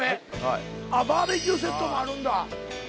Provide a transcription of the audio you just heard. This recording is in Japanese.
バーベキューセットもあるんだ。